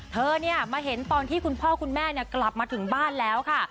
เธอมาเห็นตอนที่คุณพ่อคุณแม่กลับมาถึงบ้านแล้วค่ะ